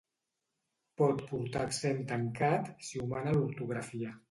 Pot portar accent tancat si ho mana l'ortografia.